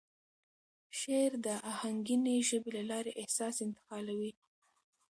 شعر د آهنګینې ژبې له لارې احساس انتقالوي.